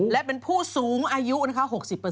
และเป็นผู้สูงอายุนะคะ๖๐